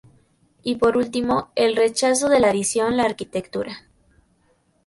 Y por último, el rechazo de la adición la arquitectura.